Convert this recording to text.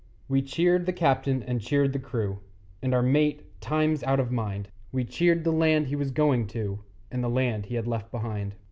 We cheered the captain and cheered the crew, And our mate, times out of mind; We cheered the land he was going to And the land he had left behind.